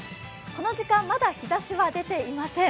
この時間、まだ日ざしは出ていません。